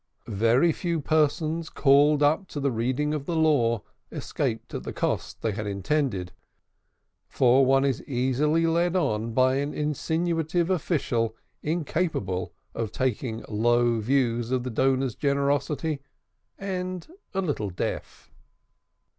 Very few persons, "called up" to the reading of the Law, escaped at the cost they had intended, for one is easily led on by an insinuative official incapable of taking low views of the donor's generosity and a little deaf.